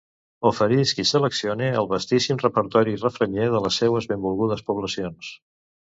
Oferisc i seleccione el vastíssim repertori refranyer de les seues benvolgudes poblacions.